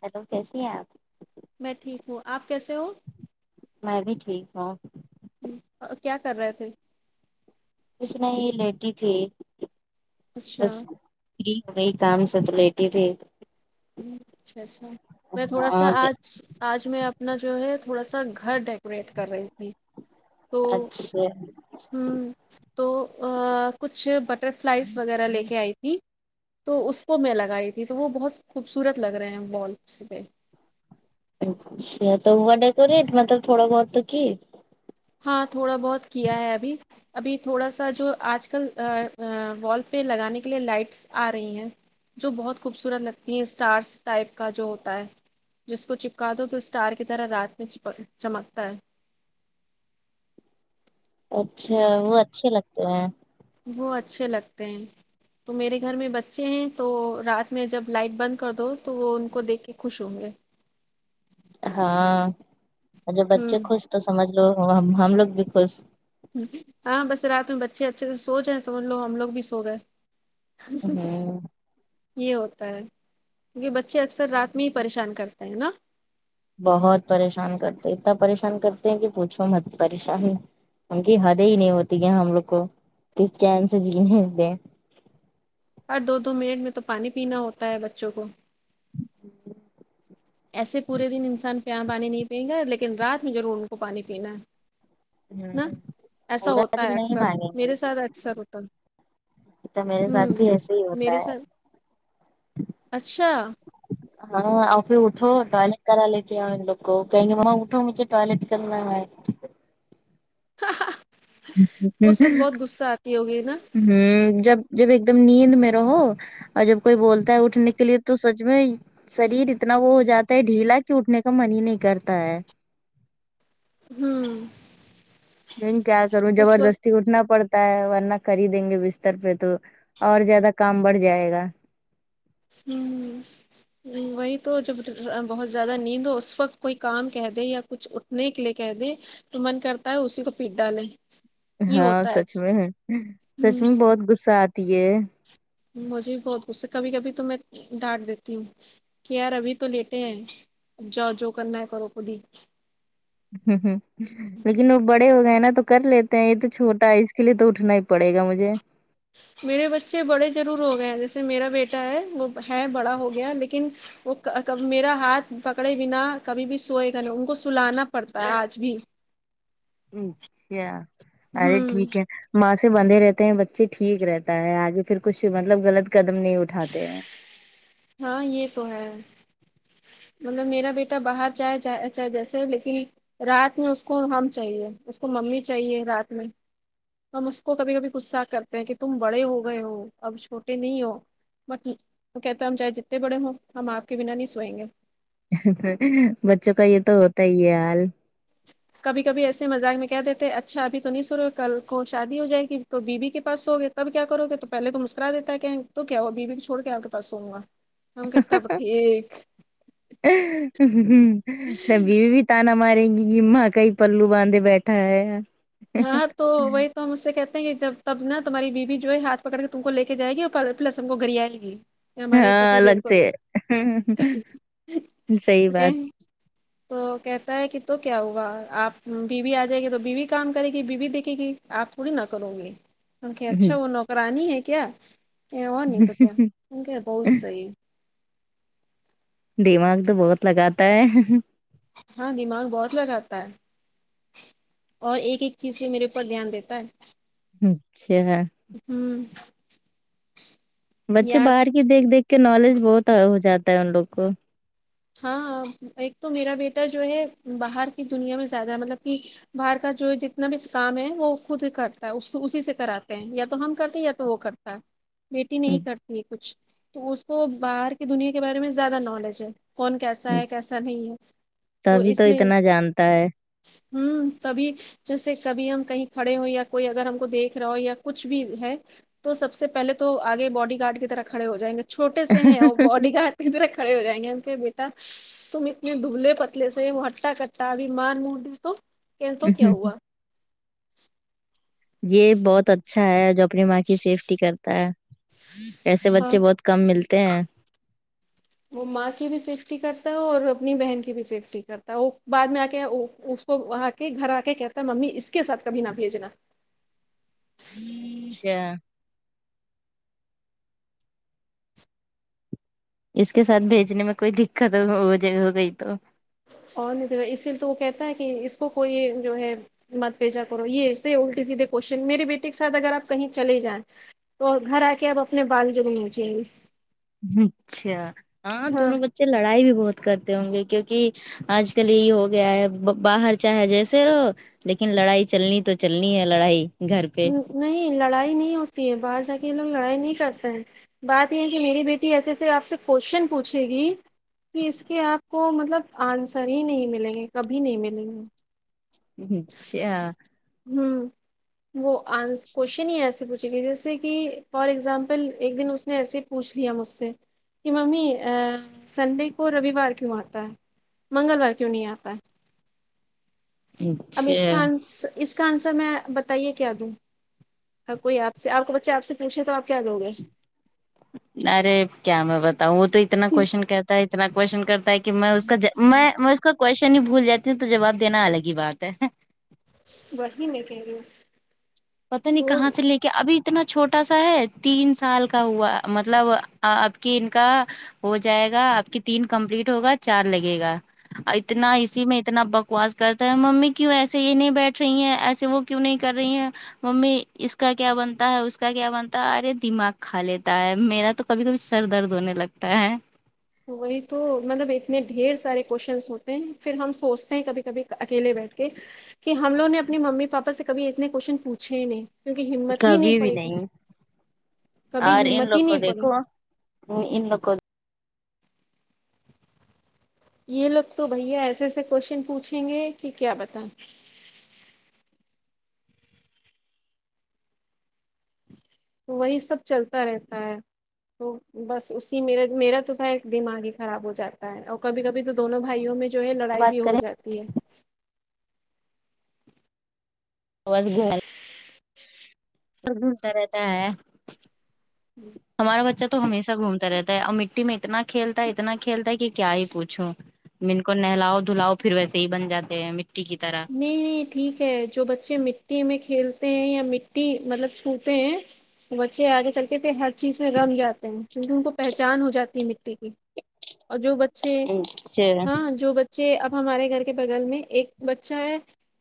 Hello کیسی ہیں آپ میں ٹھیک ہوں آپ کیسے ہو میں بھی ٹھیک ہوں و ا کیا کر رہے تھے کچھ نہیں لیٹی تھی اچھا بس فری ہوگئی کام سے تو لیٹی تھی اچھا اچھا میں تھوڑا سا ہاں جی، آج آج میں اپنا جو ہے تھوڑا سا گھر ڈیکوریٹ کر رہی تھی اچھا ہمم ہوں تو ا کچھ بٹر فلائز وغیرہ لے کے آئی تھی تو اس کو میں لگائی تھی تو وہ بہت خوبصورت لگ رہے ہیں والفس پے اچھا تو وہڈے کری مطلب تھوڑا بہت تو کی ہاں تھوڑا بہت کیا ہے ابھی ابھی تھوڑا سا جو آج کل ا ا وا لس پہ لگانے کے لیے لائٹس آ رہی ہیں جو بہت خوبصورت لگتی ہیں اسٹارس ٹائپ کا جو ہوتا ہے جس کو چپکا دو تو اسٹار کی طرح رات میں چپک چمکتا ہے اچھا وہ اچھے لگتے ہیں وہ اچھے لگتے ہیں تو میرے گھر میں بچے ہیں تو رات میں جب لائٹ بند کر دو تو وہ ان کو دیکھ کے خوش ہوں گے ہاں جب بچے ہوں خوش تو سمجھ لو ہ ہم لوگ بھی خوش ہاں بس رات میں بچے اچھے سے سو جائے سمجھ لو ہم لوگ بھی سو گئے ہوں [inaudible] یہ ہوتا ہے یہ بچے اکثر رات میں ہی پریشان کرتے ہیں نا بہت پریشان کرتے اتنا پریشان کرتے ہیں کہ پوچھو مت پریشانی ان کی حدیں ہی نہیں ہوتی گ ہم لوگ کو کس چین سے جینے دیں ہر دو دو منٹ میں تو پانی پینا ہوتا ہے بچوں کو ایسے پورے دن انسان پیام پانی نہیں پئیں گا لیکن رات میں ضرور ان کو پانی پینا ہے ن ہوں، ایسا پورا ہوتا ہے دن نہیں اکثر مانگیں میرے ساتھ اکثر ہوتا یہ تو میرے ساتھ ہوں بھی ایسے ہی ہوتا میرے ہے ساتھ اچھا ہاں اور پھر اٹھو ٹوائلٹ کرا لے کے آ ان لوگ کو کہیں گے مما اٹھو مجھے ٹوائلٹ کرنا ہے ہا ہا اس وقت بہت غصہ آتی ہوگی نا ہوں جب جب ایک دم نیند میں رہو اور جب کوئی بولتا ہے اٹھنے کے لیے تو سچ میں شریر اتنا وہ ہو جاتا ہے ڈھیلا کہ اٹھنے کا من ہی نہیں کرتا ہے ہوں لیکن کیا کروں اس زبردست وقت تی اٹھنا پڑتا ہے ورنہ کر ہی دیں گے بستر پہ تو اور زیادہ کام بڑھ جائے گا ہوں ہوں وہی تو جب بہت زیادہ نیند ہو اس وقت کوئی کام کہہ دے یا کچھ اٹھنے کے لیے کہہ دے تو من کرتا ہے اسی کو پیٹ ڈالیں یہ ہاں ہوتا سچ میں اکثر۔ ہے ہوں سچ میں بہت غصہ آتی ہے مجھے بھی بہت غصہ ہے کبھی کبھی تو میں ڈانٹ دیتی ہوں کہ یار ابھی تو لیٹے ہیں اب جاؤ جو کرنا ہے کرو خود ہی ہوں ہوں لیکن وہ بڑے ہو گئے ہیں نا تو کر لیتے ہیں یہ تو چھوٹا ہے اس کے لیے تو اٹھنا ہی پڑے گا مجھے میرے بچے بڑے ضرور ہو گئے ہیں جیسے میرا بیٹا ہے وہ ہے بڑا ہو گیا لیکن وہ میرا ہاتھ پکڑے بنا کبھی بھی سوئے گا نہیں ان کو سلانا پڑتا ہے آج بھی ہوں کیا ارے ہوں ٹھیک ہے ماں سے بندھے رہتے ہیں بچے ٹھیک رہتا ہے آگے پھر کچھ مطلب غلط قدم نہیں اٹھاتے ہیں ہاں یہ تو ہے مطلب میرا بیٹا باہر جائے جائے جیسے لیکن رات میں اس کو ہم چاہیے اس کو ممی چاہیے رات میں ہم اس کو کبھی کبھی غصہ کرتے ہیں کہ تم بڑے ہو گئے ہو اب چھوٹے نہیں ہو مت ہی وہ کہتا ہے ہم چاہے جتنے بڑے ہوں ہم آپ کے بنا نہیں سوئیں گے بچوں کا یہ تو ہوتا ہی ہے حال کبھی کبھی ایسے مذاق میں کہ دیتے ہیں اچھا ابھی تو نہیں سو رہے ہو کل کو شادی ہو جائے کہ تو بیوی کے پاس سو گئے تب کیا کروگے تو پہلے تو مسکرا دیتا ہے کہ تو کیا ہو وہ بیوی کو چوڑ کے آپ کے پاس سوں گا ہم کہتا [unintelligible] تب بیوی طعنہ ہمارے گی ماں کا ہی پلو باندھے بیٹھا ہے ہاں تو وہ ہ تو ہم اس سے کہتے ہیں کہ جب تب نا تمہاری بیوی جو ہے ہاتھ پکڑ کے تم کو لیکے جائے گی اور پلس ہم کو گریا لے گی ہمارے ہاں پتی الگ دیو کو سے بھی صحیح ٹھیک ہے۔ بات تو کہتا ہے کہ تو کیا ہوا آپ بیوی آ جائے گی تو بیوی کام کرے گی بیوی دیکھے گی آپ تھوڑی نہ کرو گے ان کے اچھا وہ نوک کرانی ہے کیا کہ اور نہیں تو کیا ان کہ بہت صحیح دماغ تو بہت لگاتا ہے ہاں دماغ بہت لگاتا ہے اور ایک ایک چیز پہ میرے اوپر دھیان دیتا ہے اچھا ہوں بچے باہر کی دیکھ دیکھ کے نالج بہت ہو جاتا ہے ان لوگ کو ہاں ہاں ایک تو میرا بیٹا جو ہے باہر کی دنیا میں زیادہ مطلب کہ باہر کا جو جتنا بھی کام ہے وہ خود ہی کرتا ہے اسی سے کراتے ہیں یا تو ہم کرتے ہیں یا تو وہ کرتے تا بیٹی نہیں کرتی ہے کچھ تو اس کو باہر کی دنیا کے بارے میں زیادہ نالج ہے کون کیسا ہے کیسا نہیں ہے تو تبھی اس لیے اتنا جانتا ہے ہوں تبھی جیسے کبھی ہم کہیں کھڑے ہو یا کوئی اگر ہم کو دیکھ رہا ہو یا کچھ بھی ہے تو سب سے پہلے تو آگے باڈی گارڈ کی طرح کھڑے ہو جائیں گے چھوٹے سے ہیں اور باڈی گارڈ کی طرح کھڑے ہو جائیں گے ک بیٹا تم اتنے دبلے پتلے سے ہٹا کٹا ابھی مار مور دے تو کہن تو کیا ہوا یہ بہت اچھا ہے جو اپنی ماں کی سیفٹی کرتا ہے ایسے ہاں بچے بہت کم ملتے ہیں وہ ماں کی بھی سیفٹی کرتا ہے اور اپنی بہن کی بھی سیفٹی کرتا ہے وہ بعد میں آ کے و و کو وہاں کے گھر آ کے کہتا ہے ممی اس کے ساتھ کبھی نہ بھیجنا اچھا اس کے ساتھ بیھجنے میں کوئی دقت وہ ہو گئی تو اور نہی تو اس لیے تو وہ کہتا ہے کہ اس کو کوئی جو ہے مت بھییجا کرو یہ ایسے الٹی سیدھے کوشچن میرے بیٹے کے ساتھ اگر آ کہیں چلے جائیں تو گھر آ کے اپ اپنے بال ضرور نوچے گے اچھا ہاں تم لوگ کے بچے لڑائی بھی بہت کرتے ہوں گے کیونکہ آج کل یہی ہو گیا ہے باہر چاہے جیسے رہو لیکن لڑائی چلنی تو چلنی ہے لڑائی گھر پہ نہیں لڑائی نہیں ہوتی ہے باہر جا کے یہ لوگ لڑائی نہیں کرتے ہیں بات یہ ہے کہ میری بیٹی ایسے ایسے آپ سے کوشچن پوچھے گی کہ اس کے آپ کو مطلب آنسر ہی نہیں ملیں گے کبھی نہیں ملیں گے اچھا ہوں وہ آنس کوشچن ہی ایسے پوچھے گی جیسے کہ فار ایگزامپل ایک دن اس نے ایسے پوچھ لیا مجھ سے کہ ممی ا سنڈے کو رویوار کیوں آتا ہے منگلوار کیوں نہیں آ تا ہے اب اس اچھا کا آنس اس کا آنسر میں بتائیے کیا دوں ہر کوئی آپ سے آپ کا بچہ آپ سے پوچھے تو آپ کیا دو گے ارے کیا میں بتاؤں وہ تو اتنا کوشچن کہتا ہے اتنا کوشچن کرتا ہے کہ میں اس کا میں اس کا کوشچن ہی بھول جاتی ہوں تو جواب دینا الگ ہی بات ہے وہی میں کہہ رہی ہوں پتا نہیں تو کہاں سے لے کے ابھی اتنا چھوٹا سا ہے تین سال کا ہوا مطلب آپ کی ان کا ہو جائے گا آپ کی تین کمپلیٹ ہوگا چار لگے گا اتنا اسی میں اتنا بکواس کرتا ہے ممی کیوں ایسے یہ نہیں بیٹھ رہی ہیں ایسے وہ کیوں نہیں کر رہی ہیں ممی اس کا کیا بنتا ہے اس کا کیا بنتا ہے ارے دماغ کھا لیتا ہے میرا تو کبھی کبھی سر درد ہونے لگتا ہے وہی تو مطلب اتنے ڈھیر سارے کویشچنس ہوتے ہیں پھر ہم سوچتے ہیں کبھی کبھی اکیلے بیٹھ کے کہ ہم لوگ نے اپنی ممی پاپا سے کبھی اتنے کوشچن پوچھے ہی نہیں کیونکہ ہمت ہی نہیں کبھی بھی پڑی کبھی ہمت ہی نہیں پڑی ہ انن رک [unintelligible] یہ لوگ تو بھیا ایسے ایسے کوشن پوچھیں گے کہ کیا بتائیں تو وہی سب چلتا رہتا ہے تو بس اسی میرا میرا تو بھائی دماغ ہی خراب ہو جاتا ہے اور کبھی کبھی تو دونوں بھائیوں میں جو ہے لڑائی بھی بات ہو کریں جاتی ہے گ [unintelligible] تو ڈھونڈتا رہتا ہے آیا ہمارا بچہ تو تو ہمیشہ گھومتا رہتا ہے اور مٹی میں اتنا کھیلتا ہے اتنا کھیلتا ہے کہ کیا ہی پوچھوں کو نہلاؤ دھلاؤ پھر ویسے ہی بن جاتے ہیں مٹی کی طرح نہیں نہیں ٹھیک ہے جو بچے مٹی میں کھیلتے ہیں یا مٹی مطلب چھوتے ہیں بچے آگے چل کے پھر ہر چیز میں رنگ جاتے ہیں کیونکہ ان کو پہچان ہو جاتی ہے مٹی کی اور جو بچے اچھا ہاں جو بچ چے اب ہمارے گھر کے بغل میں ایک بچہ ہے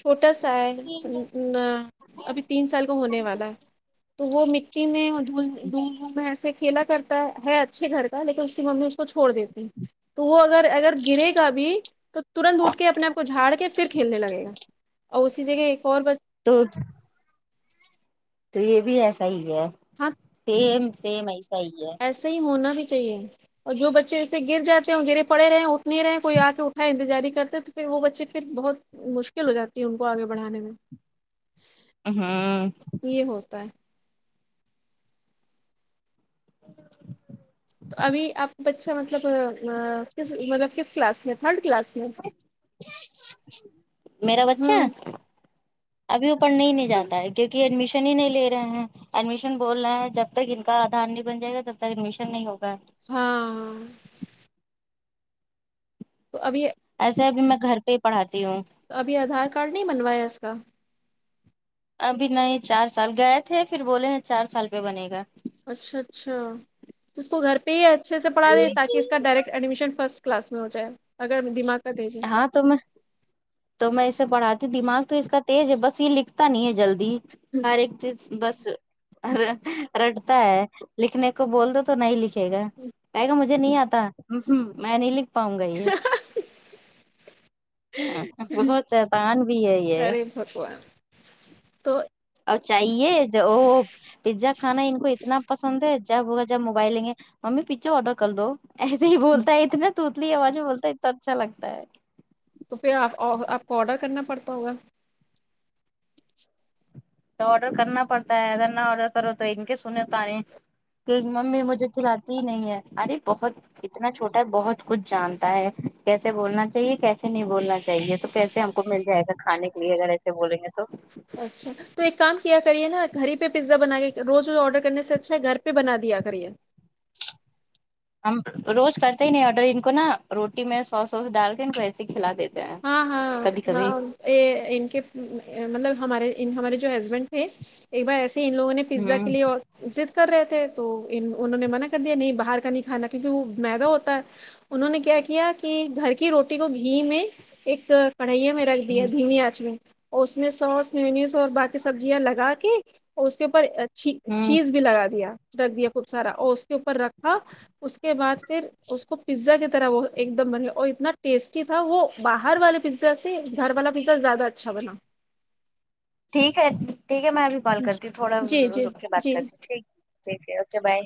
چھوٹا سا ہے امم آ ابھی تین سال کو ہونے والا ہے تو وہ مٹی میں دھول میں ایسے کھیلا کرتا ہے ہے اچھے گھر کا لیکن اس کی ممی چھوڑ دیتے ہیں تو وہ اگر اگر گرے گا بھی تو ترنت اٹھ کے اپنے آپ کو جھاڑ کے کے پھر کھیلنے لگے گا اور اسی جگہ ایک اور بچ تو تو یہ بھی ایسا ہی ہے ہاں سیم سیم ایسا ہی ہے ایسے ہی ہونا ہی چاہیے اور جو بچے ایسے گر جاتے ہیں اور گرے پڑے رہے نہیں رہے کوئی آکے اٹھائے انتظار ہی کرتے تو پھر وہ بچے پھر بہت مشکل ہو جاتی ہے ان کو آگے بڑھانے میں امم یہ ہوتا ہے تو ابھی آپ بچہ مطلب آ مطلب کس کلاس میں تھرڈ کلاس میں میرا بچہ ہوں ابھی وہ پڑھنے ہی نہیں جاتا ہے کیونکہ ایڈمیشن ہی نہیں لے رہا ہیں ایڈمیشن بول رہا ہیں جب تک ان کا آدھار نہیں بن جائے گا تب تک ایڈمیشن نہیں ہوگا ہاں تو ابھی یہ ایسا ہے کہ میں گھر پہ ہی پڑھاتی ہوں تو ابھی آدھار کارڈ نہیں بنوایا اس کا ابھی نہیں چار سال گئے تھے پھر بولے چار سال پہ بنے گا اچھا اچھا تو اس کو گھر پہ ہی اچھا پڑھا دیں تاکہ اس کا ڈائریکٹ ایڈمیشن فرسٹ کلاس میں ہو جائے اگر دماغ کا دیجے ہاں تو میں تو میں اسے پڑھاتی ہوں دماغ تو اس کا تیز ہے بس یہ لکھتا نہیں ہے جلدی جی ہر ایک چیز بس ور رٹتا ہے لکھنے کو بول دو تو نہیں لکھے گا کہے گا مج مجھے نہیں آتا میں نہیں لکھ پاؤں گا یہ امم بہت شیطان بھی ہے یہ ارے بھگوان تو اور چاہیے جو وہ پیزا کھانا ان کو اتنا پسند ہے جب ہوگا جب موبائل لیں گے ممی پزا آرڈر کر دو ایسے ہی بولتا ہے اتنا توتلی آواز میں بولتا ہے اتنا اچھا لگتا ہے تو پھر آپ آپ کو آرڈر کرنا پڑتا ہوگا تو آرڈر کرنا پڑتا ہے اگر نہ آرڈر کرو تو ان کے سنے طعنے کے ممی مجھے کھلاتی ہی نہیں ہے ارے بہت اتنا چھوٹا ہے بہت کچھ جانتا ہے کیسے بولنا چاہیے کیسے نہیں بولنا چاہیے چاہیے تو کیسے ہم کو مل جائے گا کھانے کے لیے اگر ایسے بولیں گے تو اچھا تو ایک کام کیا کریے نا گھر ہی پہ پیزا بنا کے روز روز آرڈر کرنے سے اچھا ہے گھر پہ بنا دیا کریے ہم روز کرتے ہی نہیں آرڈر ان کو نا روٹی میں سوس وس ڈال کے ان کو کھلا دیتے ہیں کبھی کبھی ا ان کے مطلب ہمارے ہمارے جو ہسبینڈ تھے ایک بار ایسی ان لوگوں نے پیزا کے ہوں لیے ضد کر رہے تھے تو ان انہوں نے منع کر دیا نہیں باہر کا نہیں کھانا کیونکہ وہ میدا ہوتا ہے انہوں نے کیا کیا کہ گھر کی روٹی کو گھی میں ایک کڑھائیا میں رکھ ہ دیا دھیمی آنچ میں اس میں سوس مینوز اور باقی سبزیاں لگا کے اس کے اوپر چ ہوں چیز بھی لگا دیا رکھ دیا خوب سارا اور اس کے اوپر رکھا اس کے بعد پھر اس کو پیزا کی طرح وہ ایک دم بنے اور اتنا ٹیسٹی تھا وہ باہر والے پیزا سے گھر والا پیزا زیادہ اچھا بنا ٹھیک ہے ٹھیک ہے میں ابھی کال جی کرتی ہوں تھوڑا جی جی رک کے بات جی کرتی ہوں ٹھیک ٹھیک ہے اوکے بائے